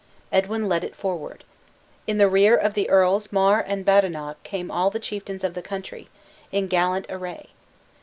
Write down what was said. Edwin led it forward. In the rear of the Earls Mar and Badenoch came all the chieftains of the country, in gallant array.